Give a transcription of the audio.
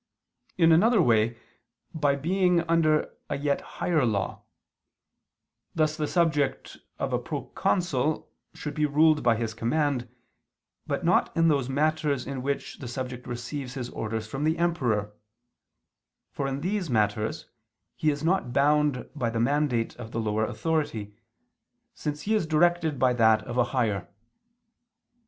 In another way, by being under a yet higher law; thus the subject of a proconsul should be ruled by his command, but not in those matters in which the subject receives his orders from the emperor: for in these matters, he is not bound by the mandate of the lower authority, since he is directed by that of a higher.